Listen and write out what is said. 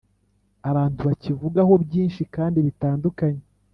abantu bakivugaho byinshi, kandi bitandukanye